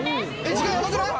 時間ヤバくない？